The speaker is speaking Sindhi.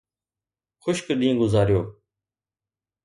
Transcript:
خشڪ ڏينهن گذاريو.